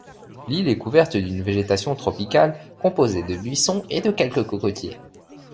L'île est couverte d'une végétation tropicale composée de buissons et de quelques cocotiers.